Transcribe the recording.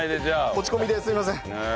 持ち込みですいません。